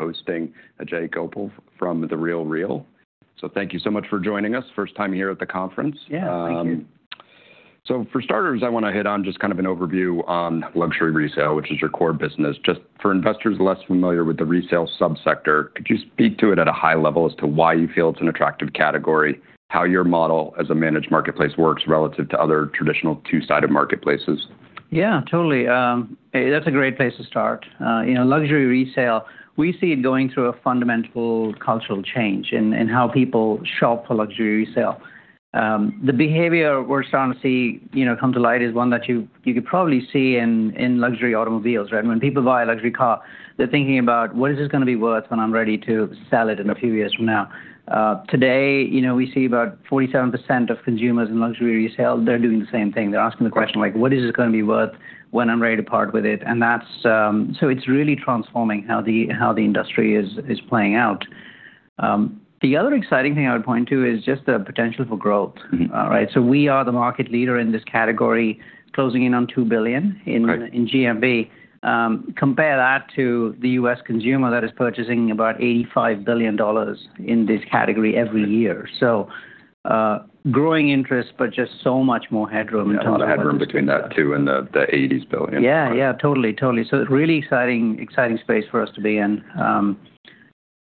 We're hosting Ajay Gopal from The RealReal, so thank you so much for joining us. First time here at the conference. Yeah, thank you. So for starters, I want to hit on just kind of an overview on luxury resale, which is your core business. Just for investors less familiar with the resale subsector, could you speak to it at a high level as to why you feel it's an attractive category, how your model as a managed marketplace works relative to other traditional two-sided marketplaces? Yeah, totally. That's a great place to start. You know, luxury resale, we see it going through a fundamental cultural change in how people shop for luxury resale. The behavior we're starting to see come to light is one that you could probably see in luxury automobiles. When people buy a luxury car, they're thinking about, what is this going to be worth when I'm ready to sell it in a few years from now? Today, we see about 47% of consumers in luxury resale, they're doing the same thing. They're asking the question, like, what is this going to be worth when I'm ready to part with it, and that's so it's really transforming how the industry is playing out. The other exciting thing I would point to is just the potential for growth. We are the market leader in this category, closing in on $2 billion in GMV. Compare that to the U.S. consumer that is purchasing about $85 billion in this category every year. Growing interest, but just so much more headroom in terms of. A lot of headroom between that too and the $80 billion. Yeah, yeah, totally, totally. So really exciting space for us to be in.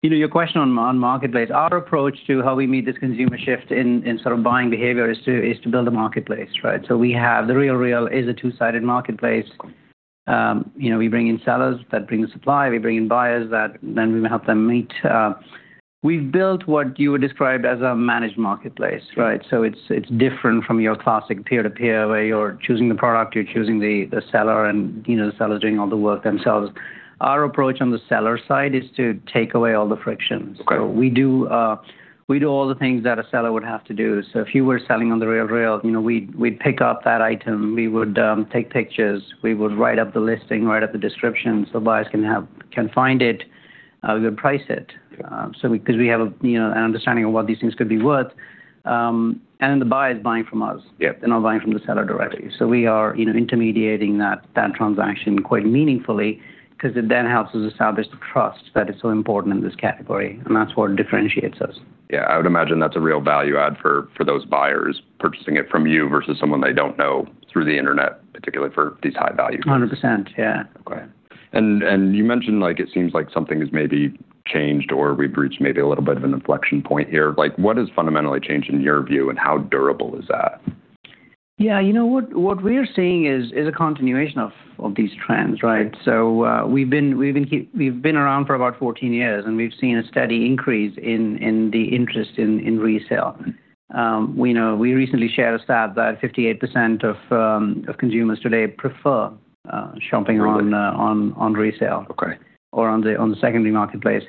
Your question on marketplace, our approach to how we meet this consumer shift in sort of buying behavior is to build a marketplace. So we have, The RealReal is a two-sided marketplace. We bring in sellers that bring the supply. We bring in buyers that then we help them meet. We've built what you would describe as a managed marketplace. So it's different from your classic peer-to-peer where you're choosing the product, you're choosing the seller, and the seller is doing all the work themselves. Our approach on the seller side is to take away all the frictions. So we do all the things that a seller would have to do. So if you were selling on The RealReal, we'd pick up that item. We would take pictures. We would write up the listing, write up the description so buyers can find it. We would price it because we have an understanding of what these things could be worth, and then the buyer is buying from us. They're not buying from the seller directly, so we are intermediating that transaction quite meaningfully because it then helps us establish the trust that is so important in this category, and that's what differentiates us. Yeah, I would imagine that's a real value add for those buyers purchasing it from you versus someone they don't know through the internet, particularly for these high value things. 100%, yeah. And you mentioned it seems like something has maybe changed or we've reached maybe a little bit of an inflection point here. What has fundamentally changed in your view and how durable is that? Yeah, you know what we're seeing is a continuation of these trends. So we've been around for about 14 years and we've seen a steady increase in the interest in resale. We recently shared a stat that 58% of consumers today prefer shopping on resale or on the secondary marketplace.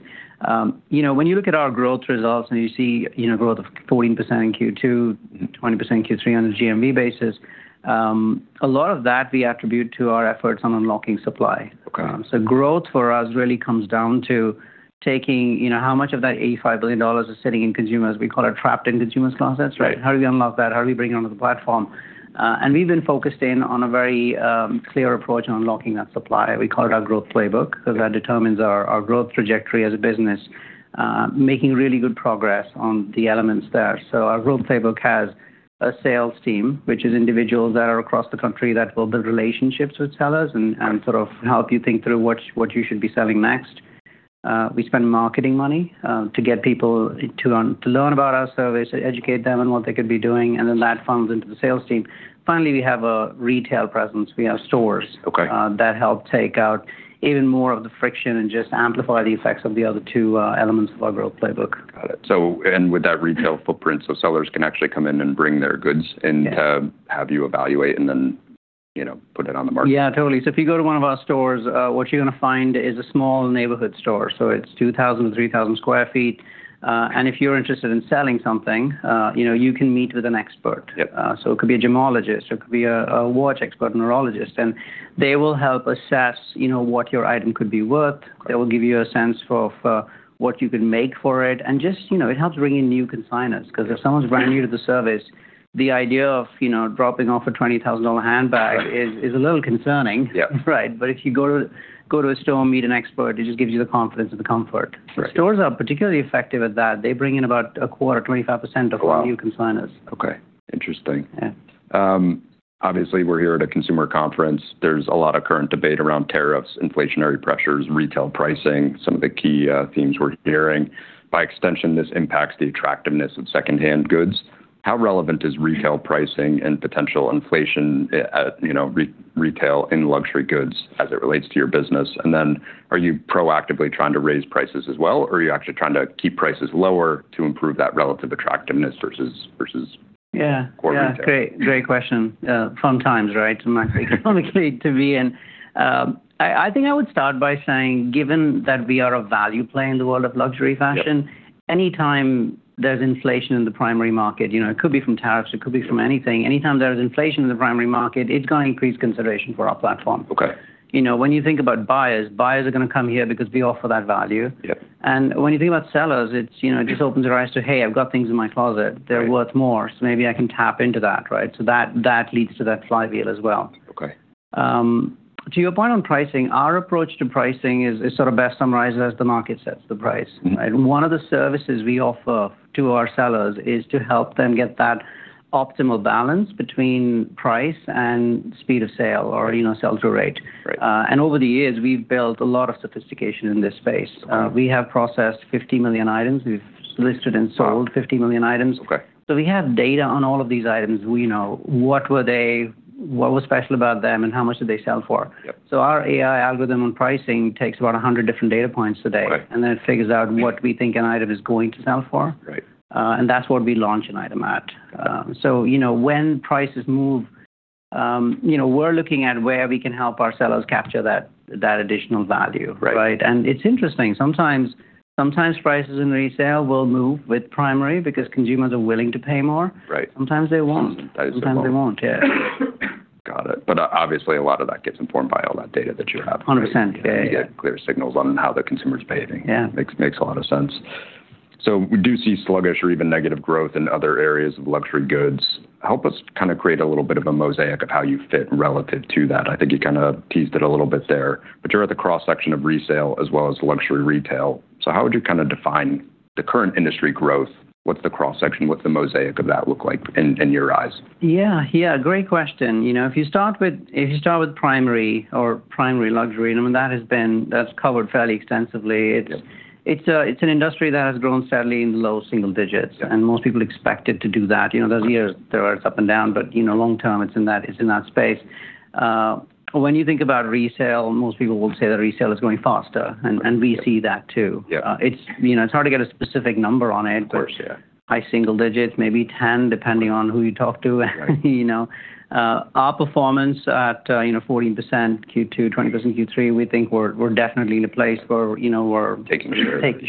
When you look at our growth results and you see growth of 14% in Q2, 20% in Q3 on a GMV basis, a lot of that we attribute to our efforts on unlocking supply. So growth for us really comes down to taking how much of that $85 billion is sitting in consumers. We call it trapped in consumers' closets. How do we unlock that? How do we bring it onto the platform? And we've been focused in on a very clear approach on unlocking that supply. We call it our growth playbook because that determines our growth trajectory as a business, making really good progress on the elements there. So our growth playbook has a sales team, which is individuals that are across the country that build the relationships with sellers and sort of help you think through what you should be selling next. We spend marketing money to get people to learn about our service, to educate them on what they could be doing. And then that funnels into the sales team. Finally, we have a retail presence. We have stores that help take out even more of the friction and just amplify the effects of the other two elements of our growth playbook. Got it. And with that retail footprint, so sellers can actually come in and bring their goods in to have you evaluate and then put it on the market. Yeah, totally. So if you go to one of our stores, what you're going to find is a small neighborhood store. So it's 2,000 sq ft-3,000 sq ft. And if you're interested in selling something, you can meet with an expert. So it could be a gemologist. It could be a watch expert, a horologist. And they will help assess what your item could be worth. They will give you a sense of what you can make for it. And it just helps bring in new consignors because if someone's brand new to the service, the idea of dropping off a $20,000 handbag is a little concerning. But if you go to a store and meet an expert, it just gives you the confidence and the comfort. Stores are particularly effective at that. They bring in about a quarter, 25% of new consignors. Interesting. Obviously, we're here at a consumer conference. There's a lot of current debate around tariffs, inflationary pressures, retail pricing, some of the key themes we're hearing. By extension, this impacts the attractiveness of secondhand goods. How relevant is retail pricing and potential inflation at retail in luxury goods as it relates to your business? And then are you proactively trying to raise prices as well, or are you actually trying to keep prices lower to improve that relative attractiveness versus core retail? Yeah, great question. Fun times, right, to be in. I think I would start by saying, given that we are a value play in the world of luxury fashion, anytime there's inflation in the primary market, it could be from tariffs, it could be from anything, anytime there is inflation in the primary market, it's going to increase consideration for our platform. When you think about buyers, buyers are going to come here because we offer that value. And when you think about sellers, it just opens their eyes to, hey, I've got things in my closet. They're worth more. So maybe I can tap into that. So that leads to that flywheel as well. To your point on pricing, our approach to pricing is sort of best summarized as the market sets the price. One of the services we offer to our sellers is to help them get that optimal balance between price and speed of sale or sell-through rate, and over the years, we've built a lot of sophistication in this space. We have processed 50 million items. We've listed and sold 50 million items, so we have data on all of these items. We know what were they? What was special about them?, and how much did they sell for? So our AI algorithm on pricing takes about 100 different data points a day, and then it figures out what we think an item is going to sell for, and that's what we launch an item at. So when prices move, we're looking at where we can help our sellers capture that additional value, and it's interesting. Sometimes prices in resale will move with primary because consumers are willing to pay more. Sometimes they won't. Sometimes they won't, yeah. Got it. But obviously, a lot of that gets informed by all that data that you have. 100%, yeah. You get clear signals on how the consumer's behaving. Makes a lot of sense. So we do see sluggish or even negative growth in other areas of luxury goods. Help us kind of create a little bit of a mosaic of how you fit relative to that. I think you kind of teased it a little bit there. But you're at the cross-section of resale as well as luxury retail. So how would you kind of define the current industry growth? What's the cross-section? What's the mosaic of that look like in your eyes? Yeah, yeah, great question. If you start with primary or primary luxury, that's covered fairly extensively. It's an industry that has grown steadily in the low single digits, and most people expect it to do that. There's years where it's up and down, but long-term, it's in that space. When you think about resale, most people will say that resale is going faster, and we see that too. It's hard to get a specific number on it. High single digits, maybe 10, depending on who you talk to. Our performance at 14% Q2, 20% Q3, we think we're definitely in a place where we're taking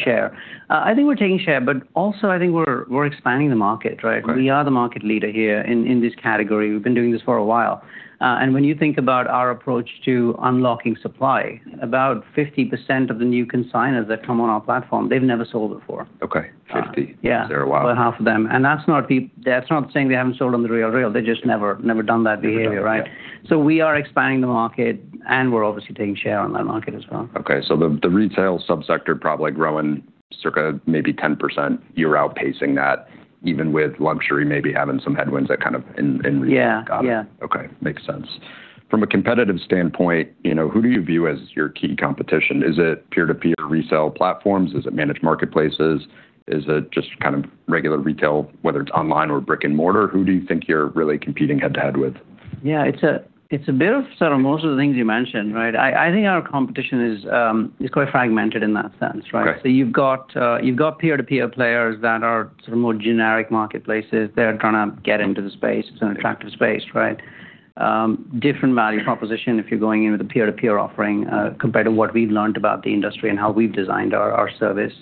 share. I think we're taking share, but also I think we're expanding the market. We are the market leader here in this category. We've been doing this for a while. And when you think about our approach to unlocking supply, about 50% of the new consignors that come on our platform, they've never sold before. Okay, 50. That's a while. Half of them. And that's not saying they haven't sold on The RealReal. They've just never done that behavior. So we are expanding the market, and we're obviously taking share on that market as well. Okay, so the retail subsector probably growing circa maybe 10%, you're outpacing that, even with luxury maybe having some headwinds that kind of in resale. Yeah, yeah. Okay, makes sense. From a competitive standpoint, who do you view as your key competition? Is it peer-to-peer resale platforms? Is it managed marketplaces? Is it just kind of regular retail, whether it's online or brick and mortar? Who do you think you're really competing head-to-head with? Yeah, it's a bit of sort of most of the things you mentioned. I think our competition is quite fragmented in that sense. So you've got peer-to-peer players that are sort of more generic marketplaces. They're trying to get into the space. It's an attractive space. Different value proposition if you're going in with a peer-to-peer offering compared to what we've learned about the industry and how we've designed our service.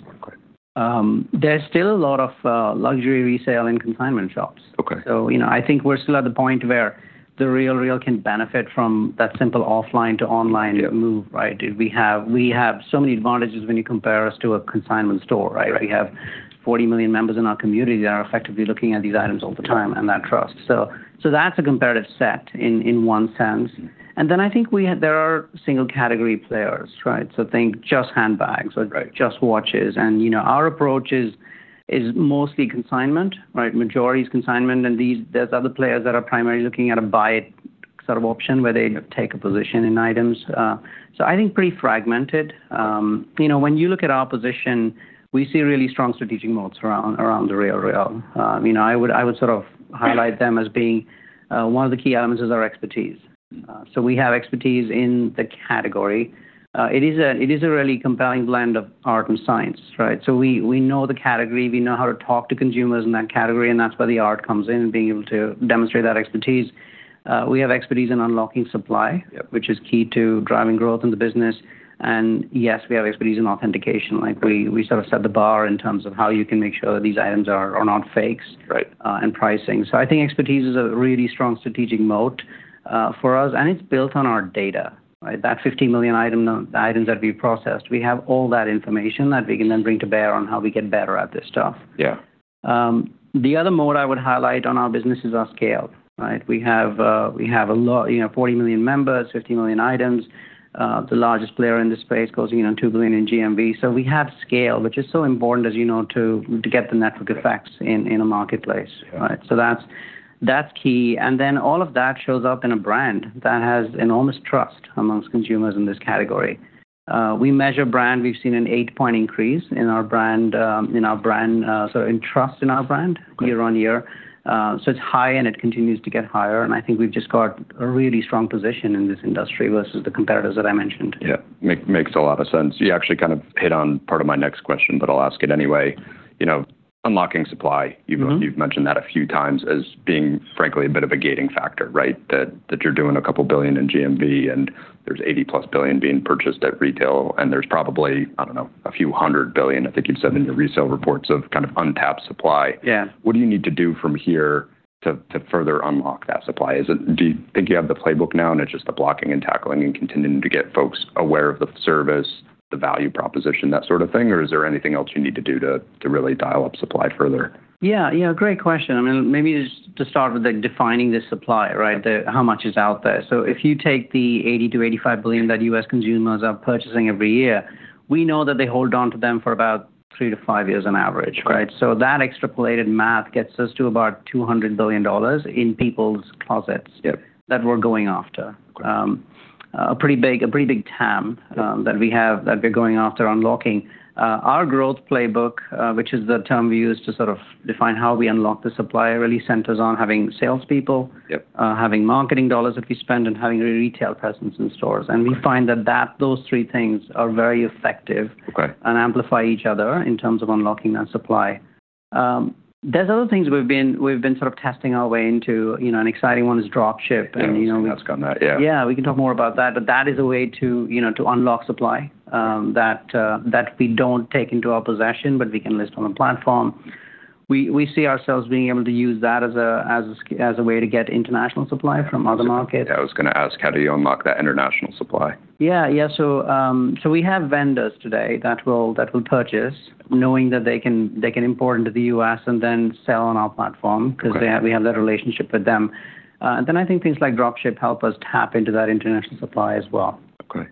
There's still a lot of luxury resale and consignment shops. So I think we're still at the point where The RealReal can benefit from that simple offline to online move. We have so many advantages when you compare us to a consignment store. We have 40 million members in our community that are effectively looking at these items all the time and that trust. So that's a comparative set in one sense. And then, I think there are single category players. So, think just handbags, just watches. And our approach is mostly consignment. Majority is consignment. And there's other players that are primarily looking at a buy-it sort of option where they take a position in items. So, I think pretty fragmented. When you look at our position, we see really strong strategic moats around The RealReal. I would sort of highlight them as being one of the key elements is our expertise. So, we have expertise in the category. It is a really compelling blend of art and science. So, we know the category. We know how to talk to consumers in that category. And that's where the art comes in, being able to demonstrate that expertise. We have expertise in unlocking supply, which is key to driving growth in the business. And yes, we have expertise in authentication. We sort of set the bar in terms of how you can make sure that these items are not fakes and pricing. So I think expertise is a really strong strategic moat for us. And it's built on our data. That 50 million items that we've processed, we have all that information that we can then bring to bear on how we get better at this stuff. The other moat I would highlight on our business is our scale. We have 40 million members, 50 million items. The largest player in the space, closing in on $2 billion in GMV. So we have scale, which is so important, as you know, to get the network effects in a marketplace. So that's key. And then all of that shows up in a brand that has enormous trust amongst consumers in this category. We measure brand. We've seen an eight-point increase in our brand, sort of in trust in our brand year on year. It's high and it continues to get higher. I think we've just got a really strong position in this industry versus the competitors that I mentioned. Yeah, makes a lot of sense. You actually kind of hit on part of my next question, but I'll ask it anyway. Unlocking supply, you've mentioned that a few times as being, frankly, a bit of a gating factor, right? That you're doing a couple of billion in GMV and there's 80 plus billion being purchased at retail and there's probably, I don't know, a few hundred billion, I think you've said in your resale reports of kind of untapped supply. What do you need to do from here to further unlock that supply? Do you think you have the playbook now and it's just the blocking and tackling and continuing to get folks aware of the service, the value proposition, that sort of thing? Or is there anything else you need to do to really dial up supply further? Yeah, great question. Maybe to start with defining the supply, how much is out there? So if you take the $80-$85 billion that U.S. consumers are purchasing every year, we know that they hold on to them for about three to five years on average. So that extrapolated math gets us to about $200 billion in people's closets that we're going after. A pretty big TAM that we're going after unlocking. Our growth playbook, which is the term we use to sort of define how we unlock the supply, really centers on having salespeople, having marketing dollars that we spend, and having a retail presence in stores, and we find that those three things are very effective and amplify each other in terms of unlocking that supply. There's other things we've been sort of testing our way into. An exciting one is Dropship. Yeah, we can talk on that. Yeah. Yeah, we can talk more about that. But that is a way to unlock supply that we don't take into our possession, but we can list on a platform. We see ourselves being able to use that as a way to get international supply from other markets. I was going to ask, how do you unlock that international supply? Yeah, yeah. So we have vendors today that will purchase, knowing that they can import into the U.S. and then sell on our platform because we have that relationship with them. Then I think things like Dropship help us tap into that international supply as well. Okay.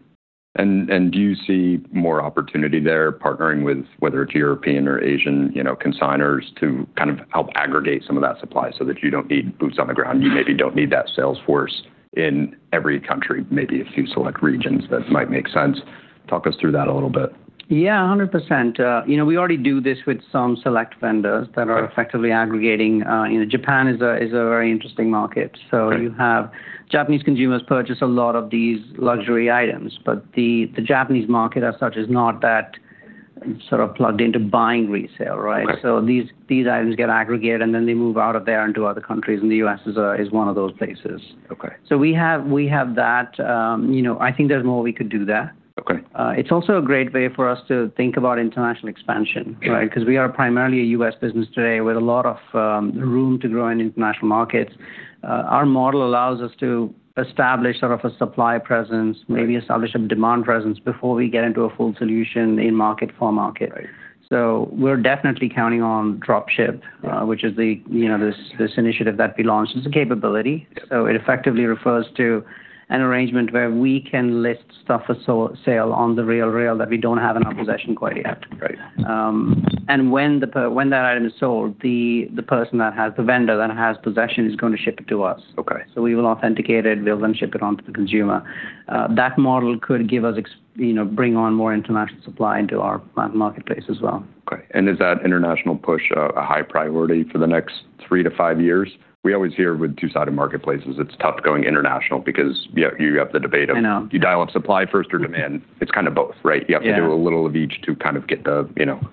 And do you see more opportunity there partnering with whether it's European or Asian consignors to kind of help aggregate some of that supply so that you don't need boots on the ground? You maybe don't need that sales force in every country, maybe a few select regions that might make sense. Talk us through that a little bit. Yeah, 100%. We already do this with some select vendors that are effectively aggregating. Japan is a very interesting market. So you have Japanese consumers purchase a lot of these luxury items, but the Japanese market as such is not that sort of plugged into buying resale. So these items get aggregated and then they move out of there into other countries. And the U.S. is one of those places. So we have that. I think there's more we could do there. It's also a great way for us to think about international expansion because we are primarily a U.S. business today with a lot of room to grow in international markets. Our model allows us to establish sort of a supply presence, maybe establish a demand presence before we get into a full solution in market for market. So we're definitely counting on Dropship, which is this initiative that we launched. It's a capability. So it effectively refers to an arrangement where we can list stuff for sale on The RealReal that we don't have in our possession quite yet. And when that item is sold, the person that has the vendor that has possession is going to ship it to us. So we will authenticate it. We'll then ship it on to the consumer. That model could give us bring on more international supply into our marketplace as well. Okay. And is that international push a high priority for the next three to five years? We always hear with two-sided marketplaces, it's tough going international because you have the debate of you dial up supply first or demand. It's kind of both, right? You have to do a little of each to kind of get the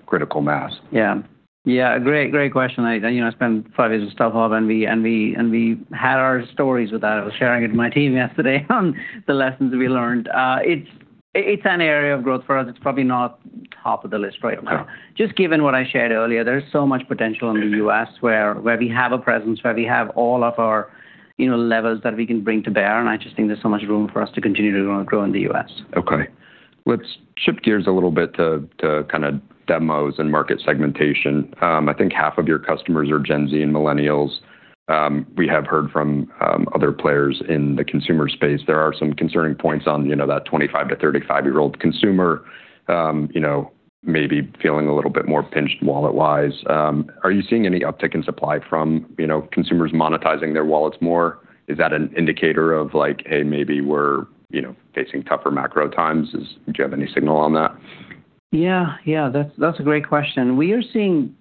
critical mass. Yeah. Yeah, great, great question. I spent five years at StubHub and we had our struggles with that. I was sharing it with my team yesterday on the lessons we learned. It's an area of growth for us. It's probably not top of the list right now. Just given what I shared earlier, there's so much potential in the US where we have a presence, where we have all of our levers that we can bring to bear, and I just think there's so much room for us to continue to grow in the US. Okay. Let's shift gears a little bit to kind of demos and market segmentation. I think half of your customers are Gen Z and millennials. We have heard from other players in the consumer space. There are some concerning points on that 25-35-year-old consumer maybe feeling a little bit more pinched wallet-wise. Are you seeing any uptick in supply from consumers monetizing their wallets more? Is that an indicator of like, "Hey, maybe we're facing tougher macro times"? Do you have any signal on that? Yeah, yeah. That's a great question. We are seeing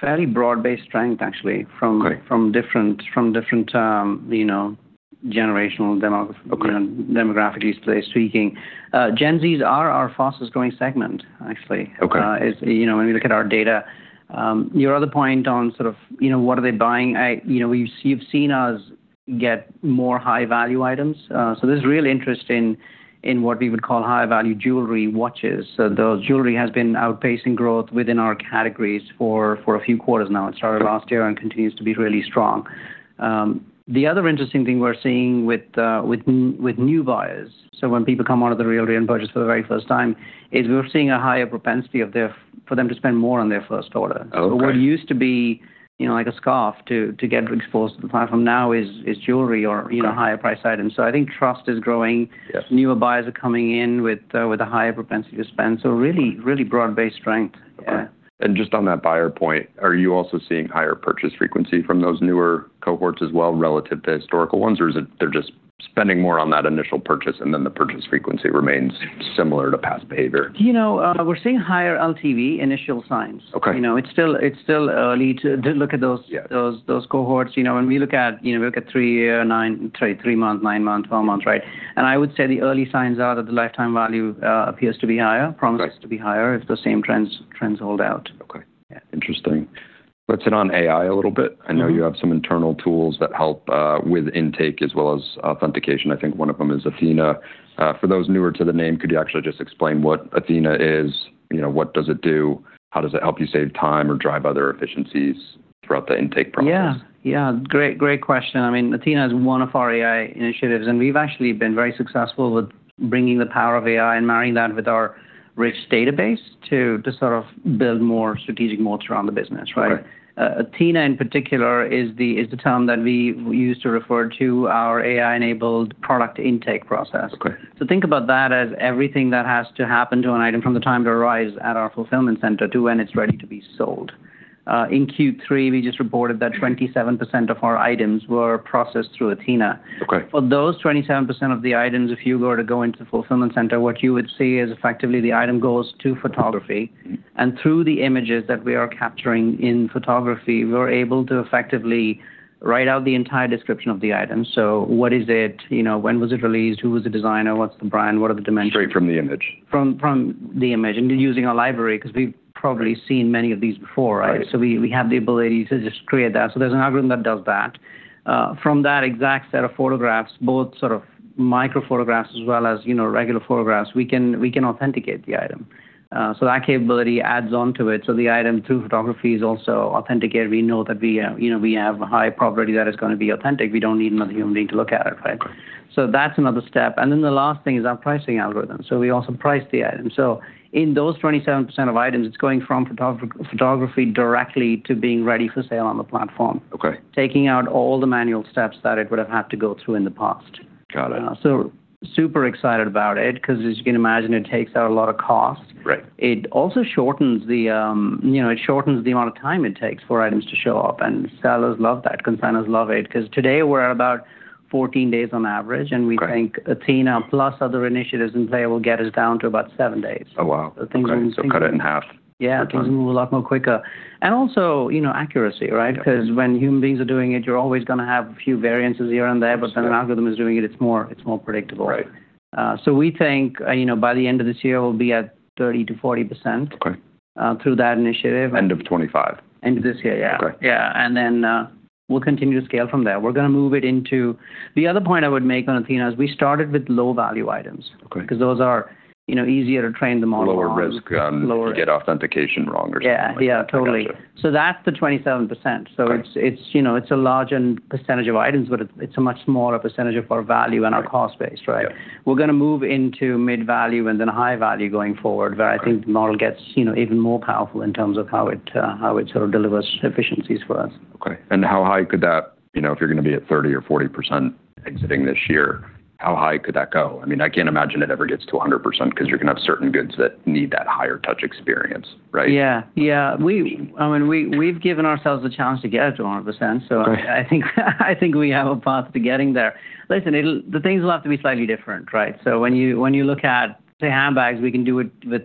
fairly broad-based strength, actually, from different generational demographically speaking. Gen Zs are our fastest growing segment, actually. When we look at our data, your other point on sort of what are they buying, we've seen us get more high-value items. So there's real interest in what we would call high-value jewelry, watches. So the jewelry has been outpacing growth within our categories for a few quarters now. It started last year and continues to be really strong. The other interesting thing we're seeing with new buyers, so when people come out of The RealReal and purchase for the very first time, is we're seeing a higher propensity for them to spend more on their first order. What used to be like a scarf to get exposed to the platform now is jewelry or higher-priced items. So I think trust is growing. Newer buyers are coming in with a higher propensity to spend. So really broad-based strength. Just on that buyer point, are you also seeing higher purchase frequency from those newer cohorts as well relative to historical ones, or they're just spending more on that initial purchase and then the purchase frequency remains similar to past behavior? We're seeing higher LTV initial signs. It's still early to look at those cohorts. When we look at three-month, nine-month, twelve-month, right? And I would say the early signs are that the lifetime value appears to be higher, promises to be higher if the same trends hold out. Okay. Interesting. Let's hit on AI a little bit. I know you have some internal tools that help with intake as well as authentication. I think one of them is Athena. For those newer to the name, could you actually just explain what Athena is? What does it do? How does it help you save time or drive other efficiencies throughout the intake process? Yeah, yeah. Great question. I mean, Athena is one of our AI initiatives, and we've actually been very successful with bringing the power of AI and marrying that with our rich database to sort of build more strategic moats around the business. Athena, in particular, is the term that we use to refer to our AI-enabled product intake process. So think about that as everything that has to happen to an item from the time it arrives at our fulfillment center to when it's ready to be sold. In Q3, we just reported that 27% of our items were processed through Athena. For those 27% of the items, if you were to go into the fulfillment center, what you would see is effectively the item goes to photography, and through the images that we are capturing in photography, we're able to effectively write out the entire description of the item. So what is it? When was it released? Who was the designer? What's the brand? What are the dimensions? Straight from the image. From the image. And using our library because we've probably seen many of these before, right? So we have the ability to just create that. So there's an algorithm that does that. From that exact set of photographs, both sort of microphotographs as well as regular photographs, we can authenticate the item. So that capability adds on to it. So the item through photography is also authenticated. We know that we have a high probability that it's going to be authentic. We don't need another human being to look at it, right? So that's another step. And then the last thing is our pricing algorithm. So we also price the item. So in those 27% of items, it's going from photography directly to being ready for sale on the platform, taking out all the manual steps that it would have had to go through in the past. Got it. Super excited about it because, as you can imagine, it takes out a lot of cost. It also shortens the amount of time it takes for items to show up. And sellers love that. Consignors love it because today we're at about 14 days on average, and we think Athena plus other initiatives in play will get us down to about seven days. Oh, wow, so cut it in half. Yeah, things move a lot more quicker. And also accuracy, right? Because when human beings are doing it, you're always going to have a few variances here and there, but when an algorithm is doing it, it's more predictable. So we think by the end of this year, we'll be at 30%-40% through that initiative. End of 2025. End of this year, yeah. Yeah. And then we'll continue to scale from there. We're going to move it into the other point I would make on Athena is we started with low-value items because those are easier to train the model. Lower risk to get authentication wrong or something. Yeah, yeah, totally. So that's the 27%. So it's a large percentage of items, but it's a much smaller percentage of our value and our cost base, right? We're going to move into mid-value and then high-value going forward, where I think the model gets even more powerful in terms of how it sort of delivers efficiencies for us. Okay. And how high could that, if you're going to be at 30% or 40% exiting this year, how high could that go? I mean, I can't imagine it ever gets to 100% because you're going to have certain goods that need that higher touch experience, right? Yeah, yeah. I mean, we've given ourselves a chance to get it to 100%. So I think we have a path to getting there. Listen, the things will have to be slightly different, right? So when you look at, say, handbags, we can do it with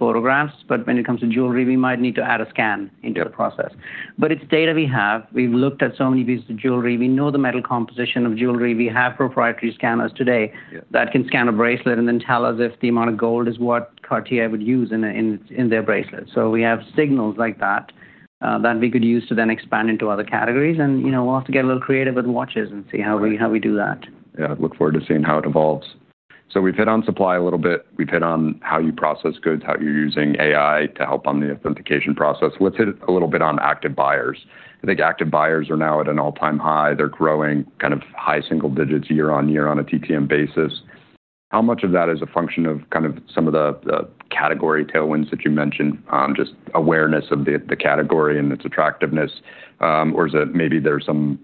photographs, but when it comes to jewelry, we might need to add a scan into the process. But it's data we have. We've looked at so many pieces of jewelry. We know the metal composition of jewelry. We have proprietary scanners today that can scan a bracelet and then tell us if the amount of gold is what Cartier would use in their bracelet. So we have signals like that that we could use to then expand into other categories. And we'll have to get a little creative with watches and see how we do that. Yeah. Look forward to seeing how it evolves. So we've hit on supply a little bit. We've hit on how you process goods, how you're using AI to help on the authentication process. Let's hit a little bit on active buyers. I think active buyers are now at an all-time high. They're growing kind of high single digits year on year on a TTM basis. How much of that is a function of kind of some of the category tailwinds that you mentioned, just awareness of the category and its attractiveness? Or is it maybe there's some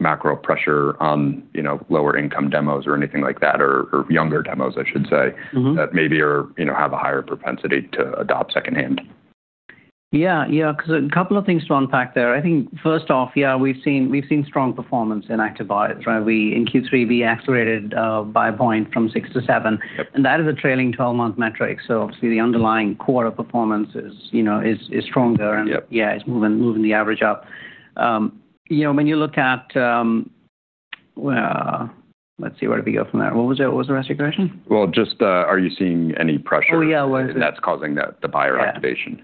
macro pressure on lower-income demos or anything like that, or younger demos, I should say, that maybe have a higher propensity to adopt secondhand? Yeah, yeah. Because a couple of things to unpack there. I think first off, yeah, we've seen strong performance in active buyers, right? In Q3, we accelerated by a point from six to seven. And that is a trailing 12-month metric. So obviously, the underlying core of performance is stronger and, yeah, it's moving the average up. When you look at let's see, where did we go from there? What was the rest of your question? Well, just are you seeing any pressure? Oh, yeah. That's causing the buyer activation? Yeah.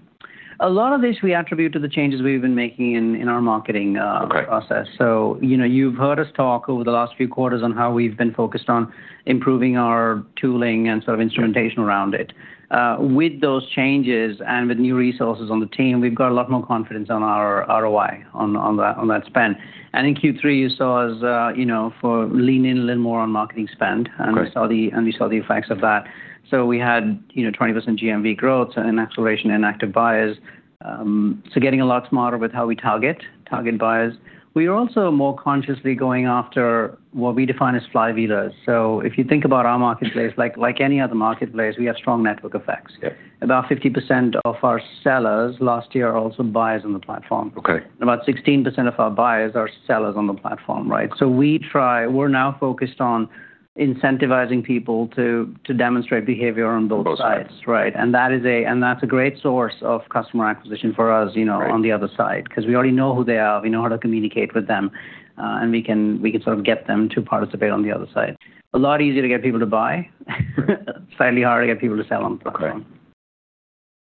A lot of this we attribute to the changes we've been making in our marketing process, so you've heard us talk over the last few quarters on how we've been focused on improving our tooling and sort of instrumentation around it. With those changes and with new resources on the team, we've got a lot more confidence on our ROI on that spend, and in Q3, you saw us lean in a little more on marketing spend, and we saw the effects of that, so we had 20% GMV growth and acceleration in active buyers, so getting a lot smarter with how we target buyers. We are also more consciously going after what we define as flywheelers, so if you think about our marketplace, like any other marketplace, we have strong network effects. About 50% of our sellers last year are also buyers on the platform. Okay. About 16% of our buyers are sellers on the platform, right? So we're now focused on incentivizing people to demonstrate behavior on both sides, right? And that's a great source of customer acquisition for us on the other side because we already know who they are. We know how to communicate with them, and we can sort of get them to participate on the other side. A lot easier to get people to buy, slightly harder to get people to sell on the platform. Okay.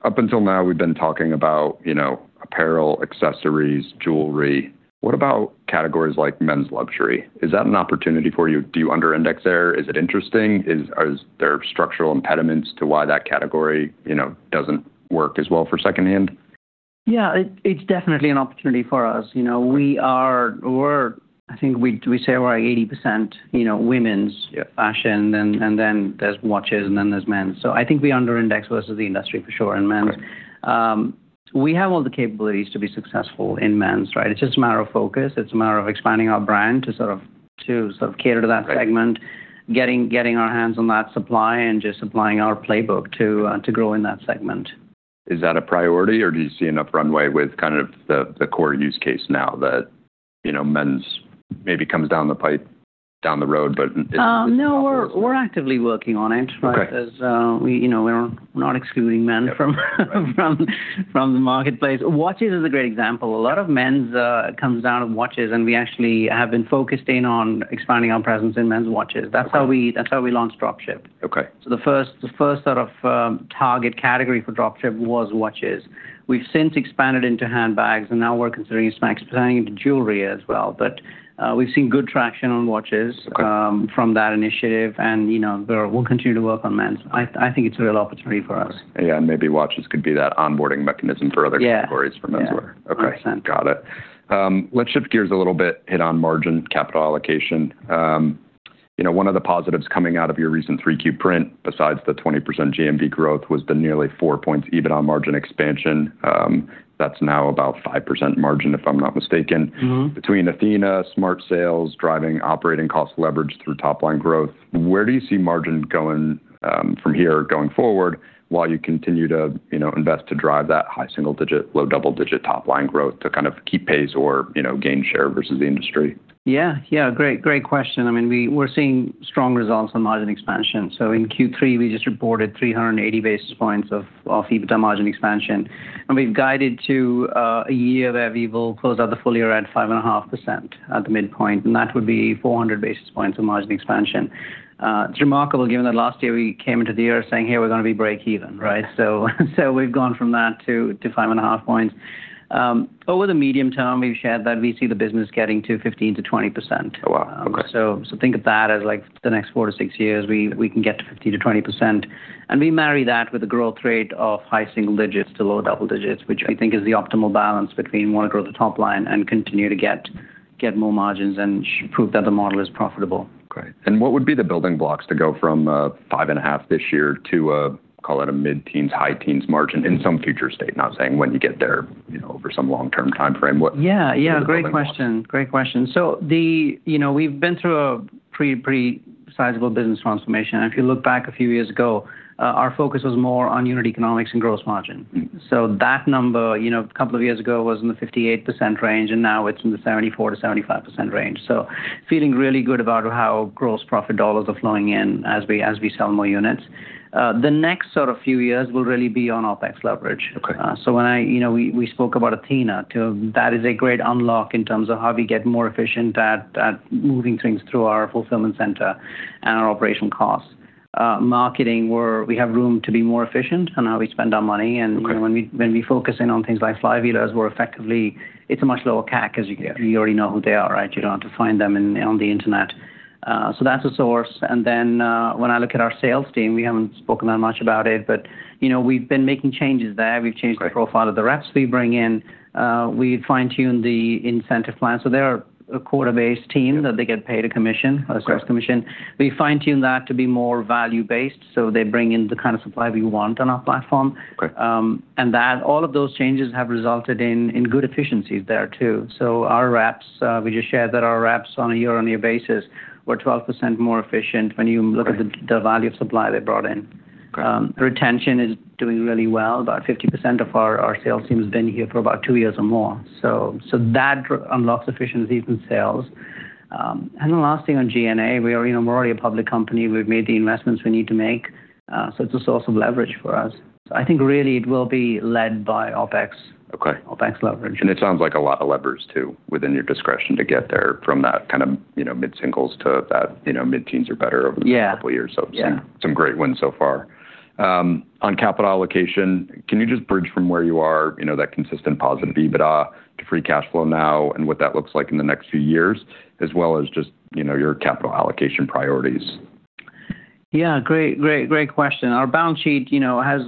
Up until now, we've been talking about apparel, accessories, jewelry. What about categories like men's luxury? Is that an opportunity for you? Do you under-index there? Is it interesting? Are there structural impediments to why that category doesn't work as well for secondhand? Yeah, it's definitely an opportunity for us. I think we say we're at 80% women's fashion, and then there's watches, and then there's men's. So I think we under-index versus the industry for sure in men's. We have all the capabilities to be successful in men's, right? It's just a matter of focus. It's a matter of expanding our brand to sort of cater to that segment, getting our hands on that supply, and just applying our playbook to grow in that segment. Is that a priority, or do you see enough runway with kind of the core use case now that men's maybe comes down the pipe down the road, but it's? No, we're actively working on it, right? We're not excluding men from the marketplace. Watches is a great example. A lot of men's comes down to watches, and we actually have been focusing on expanding our presence in men's watches. That's how we launched Dropship. So the first sort of target category for Dropship was watches. We've since expanded into handbags, and now we're considering expanding into jewelry as well. But we've seen good traction on watches from that initiative, and we'll continue to work on men's. I think it's a real opportunity for us. Yeah, and maybe watches could be that onboarding mechanism for other categories from elsewhere. Yeah. That makes sense. Okay. Got it. Let's shift gears a little bit, hit on margin capital allocation. One of the positives coming out of your recent Q3 print, besides the 20% GMV growth, was the nearly 4 points EBITDA margin expansion. That's now about 5% margin, if I'm not mistaken, between Athena, Smart Sales, driving operating cost leverage through top-line growth. Where do you see margin going from here going forward while you continue to invest to drive that high single-digit, low double-digit top-line growth to kind of keep pace or gain share versus the industry? Yeah, yeah. Great question. I mean, we're seeing strong results on margin expansion. So in Q3, we just reported 380 basis points of EBITDA margin expansion. And we've guided to a year where we will close out the full year at 5.5% at the midpoint, and that would be 400 basis points of margin expansion. It's remarkable given that last year we came into the year saying, "Hey, we're going to be breakeven," right? So we've gone from that to 5.5 points. Over the medium term, we've shared that we see the business getting to 15%-20%. So think of that as the next four to six years, we can get to 15%-20%. We marry that with a growth rate of high single digits to low double digits, which we think is the optimal balance between wanting to grow the top line and continue to get more margins and prove that the model is profitable. Right. And what would be the building blocks to go from 5.5% this year to, call it a mid-teens, high-teens margin in some future state? Not saying when you get there over some long-term time frame. Yeah, yeah. Great question. Great question. So we've been through a pretty sizable business transformation. If you look back a few years ago, our focus was more on unit economics and gross margin. So that number, a couple of years ago, was in the 58% range, and now it's in the 74%-75% range. So feeling really good about how gross profit dollars are flowing in as we sell more units. The next sort of few years will really be on OPEX leverage. So when we spoke about Athena, that is a great unlock in terms of how we get more efficient at moving things through our fulfillment center and our operational costs. Marketing, where we have room to be more efficient on how we spend our money. When we focus in on things like Flywheelers, it's a much lower CAC because you already know who they are, right? You don't have to find them on the internet. That's a source. When I look at our sales team, we haven't spoken that much about it, but we've been making changes there. We've changed the profile of the reps we bring in. We've fine-tuned the incentive plan. They're a quarter-based team that they get paid a commission, a sales commission. We fine-tune that to be more value-based so they bring in the kind of supply we want on our platform. All of those changes have resulted in good efficiencies there too. We just shared that our reps on a year-on-year basis were 12% more efficient when you look at the value of supply they brought in. Retention is doing really well. About 50% of our sales team has been here for about two years or more, so that unlocks efficiencies in sales and the last thing on G&A, we're already a public company. We've made the investments we need to make, so it's a source of leverage for us, so I think really it will be led by OPEX leverage. It sounds like a lot of levers too within your discretion to get there from that kind of mid-singles to that mid-teens or better over the last couple of years. Some great wins so far. On capital allocation, can you just bridge from where you are, that consistent positive EBITDA to free cash flow now and what that looks like in the next few years, as well as just your capital allocation priorities? Yeah. Great question. Our balance sheet has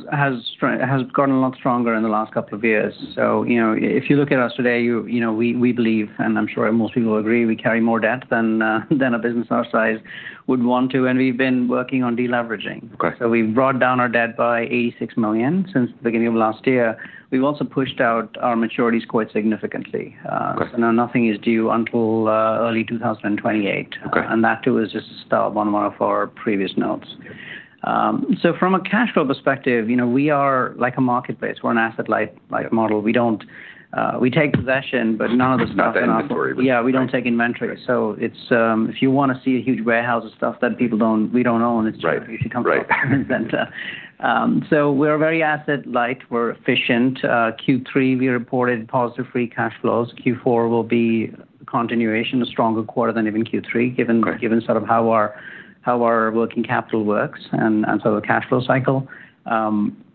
gotten a lot stronger in the last couple of years. So if you look at us today, we believe, and I'm sure most people will agree, we carry more debt than a business our size would want to. And we've been working on deleveraging. So we've brought down our debt by $86 million since the beginning of last year. We've also pushed out our maturities quite significantly. So now nothing is due until early 2028. And that too is just a start on one of our previous notes. So from a cash flow perspective, we are like a marketplace. We're an asset-light model. We take possession, but none of the stuff in our. Nothing inventory. Yeah. We don't take inventory. So if you want to see a huge warehouse of stuff that we don't own, it's just a few complex items. So we're very asset-light. We're efficient. Q3, we reported positive free cash flows. Q4 will be a continuation, a stronger quarter than even Q3, given sort of how our working capital works and sort of the cash flow cycle.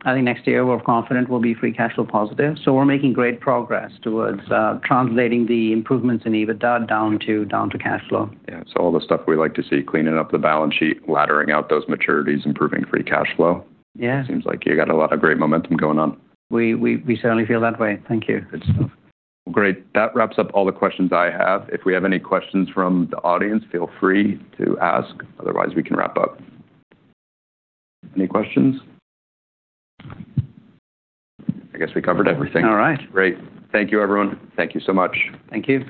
I think next year, we're confident we'll be free cash flow positive. So we're making great progress towards translating the improvements in EBITDA down to cash flow. Yeah, so all the stuff we like to see, cleaning up the balance sheet, laddering out those maturities, improving free cash flow. It seems like you got a lot of great momentum going on. We certainly feel that way. Thank you. Great. That wraps up all the questions I have. If we have any questions from the audience, feel free to ask. Otherwise, we can wrap up. Any questions? I guess we covered everything. All right. Great. Thank you, everyone. Thank you so much. Thank you.